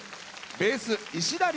ベース石田良典。